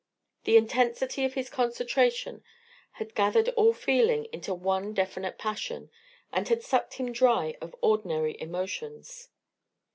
The intensity of his concentration had gathered all feeling into one definite passion, and had sucked him dry of ordinary emotions.